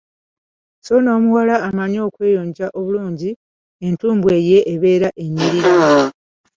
Sso n’omuwala amanyi okweyonja obulungi, entumbwe ye ebeera enyirira.